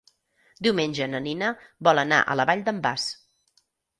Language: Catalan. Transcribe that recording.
Diumenge na Nina vol anar a la Vall d'en Bas.